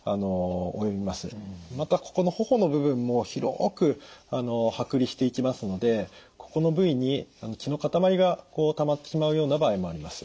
またここの頬の部分も広く剥離していきますのでここの部位に血の塊がたまってしまうような場合もあります。